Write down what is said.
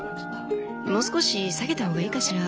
もう少し下げた方がいいかしら？